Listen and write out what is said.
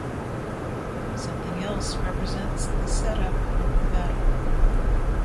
"Something Else" represents the setup of the battle.